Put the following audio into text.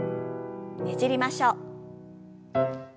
ねじりましょう。